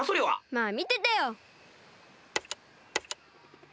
まあみててよ。